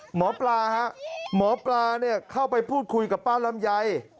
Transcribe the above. หมอปลาฮะหมอปลาเข้าไปพูดคุยกับป้าลำไย